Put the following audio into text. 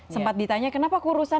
sempat ditanya kenapa kurusan